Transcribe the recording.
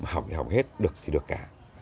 học thì học hết được thì được cả